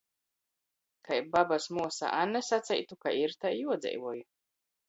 Kai babys muosa Ane saceitu: "Kai ir, tai juodzeivoj!"